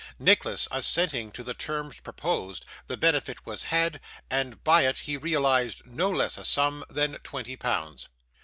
Nicholas assenting to the terms proposed, the benefit was had, and by it he realised no less a sum than twenty pounds.